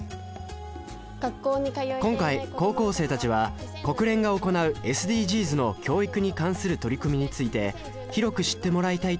今回高校生たちは国連が行うＳＤＧｓの教育に関する取り組みについて広く知ってもらいたいと考え